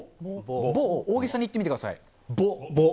ぼを大げさに言ってみてください。